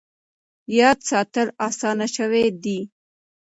یاد ساتل اسانه شوي دي.